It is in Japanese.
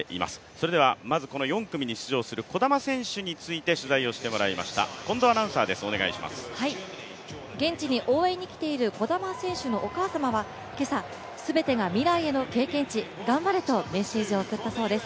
それではこの４組に出場する児玉選手について取材してもらいました現地に応援に来ている児玉選手のお母様は今朝、全てが未来への経験値頑張れとメッセージを送ったそうです。